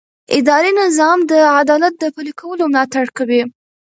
اداري نظام د عدالت د پلي کولو ملاتړ کوي.